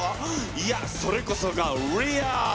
いやそれこそがリアル！